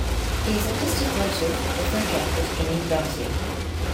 He is a distant relative of French actress Janine Darcey.